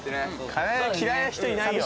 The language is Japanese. カレーは嫌いな人いないよ。